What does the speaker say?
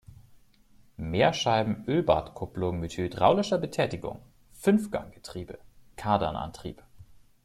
Mehrscheiben-Ölbadkupplung mit hydraulischer Betätigung, Fünfgang-Getriebe, Kardanantrieb.